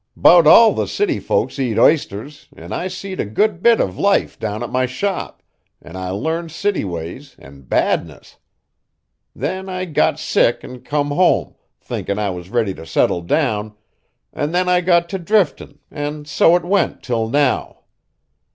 'Bout all the city folks eat isters an' I seed a good bit of life down at my shop, an' I learned city ways an' badness! Then I got sick an' come home, thinkin' I was ready t' settle down, an' then I got t' driftin' an' so it went till now.